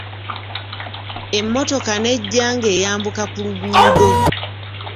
Emmotoka n'ejja nga eyambuka ku luguudo.